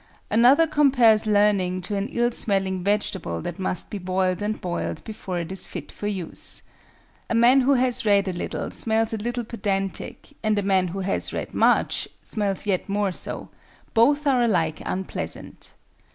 Another compares learning to an ill smelling vegetable that must be boiled and boiled before it is fit for use. A man who has read a little smells a little pedantic, and a man who has read much smells yet more so; both are alike unpleasant.